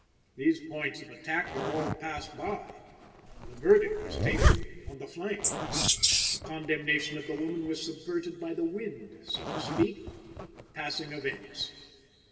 These points of attack were all passed by, and the verdict was taken on the flank. The condemnation of the woman was subverted by the wind, so to speak, of passing events.